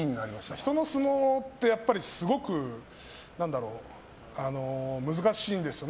人の相撲ってすごく難しいんですよね。